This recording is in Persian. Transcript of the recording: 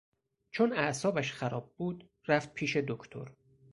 چون اعصابش خراب بود رفت پیش دکتر.